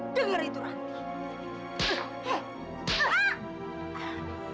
dengar itu rantie